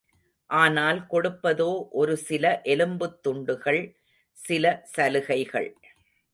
ஆனால், கொடுப்பதோ ஒரு சில எலும்புத் துண்டுகள், சில சலுகைகள்.